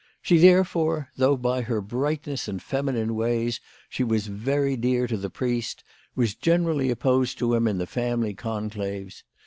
She therefore, though by her bright ness and feminine ways she was very dear to the priest, was generally opposed to him in the family conclaves.